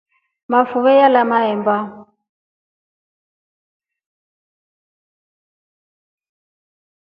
Mafuve nyalya mahemba.